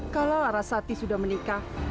kalau arasati sudah menikah